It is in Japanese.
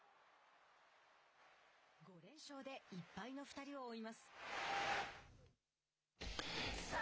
５連勝で１敗の２人を追います。